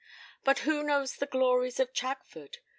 But who knows the glories of Chagford?